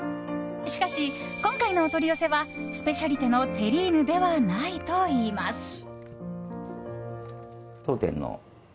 しかし、今回のお取り寄せはスペシャリテのテリーヌではないといいます。